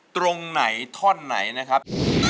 ตรงไหนท่อนไหนนะครับ